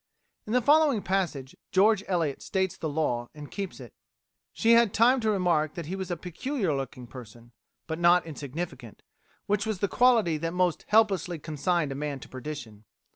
In the following passage George Eliot states the law and keeps it. "She had time to remark that he was a peculiar looking person, but not insignificant, which was the quality that most hopelessly consigned a man to perdition.